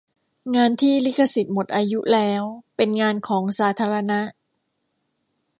งานที่ลิขสิทธิ์หมดอายุแล้วเป็นงานของสาธารณะ